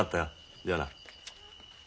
じゃあな。